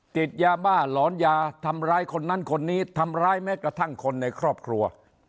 ติดยาบ้าหลอนยาทำร้ายคนนั้นคนนี้ทำร้ายแม้กระทั่งคนในครอบครัว